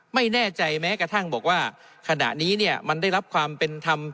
ไม่แน่ใจแม้กระทั่งบอกว่าขณะนี้เนี่ยมันได้รับความเป็นธรรม